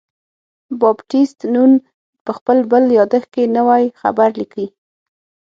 بابټیست نون په خپل بل یادښت کې نوی خبر لیکي.